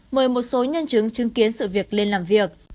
mời một số nhân chứng chứng kiến sự việc lên làm việc